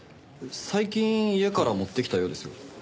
最近家から持ってきたようですよ。